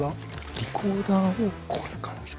リコーダーをこういう感じで。